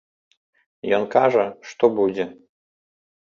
Ён кажа, што будзе.